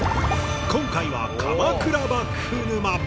今回は「鎌倉幕府沼」。